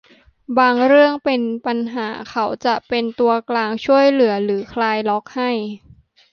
บางเรื่องที่เป็นปัญหาเขาจะเป็นตัวกลางช่วยเหลือหรือคลายล็อกให้